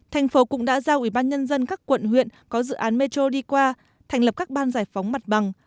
thành phố cũng đã giao ubnd các quận huyện có dự án metro đi qua thành lập các ban giải phóng mặt bằng